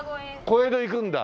小江戸行くんだ。